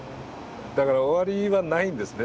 だから終わりはないんですね。